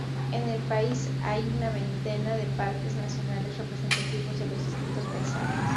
En el país hay un veintena de parques nacionales representativos de los distintos paisajes.